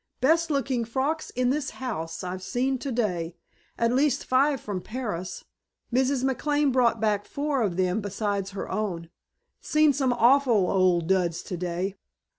"Best looking frocks in this house I've seen today. At least five from Paris. Mrs. McLane brought back four of them besides her own. Seen some awful old duds today.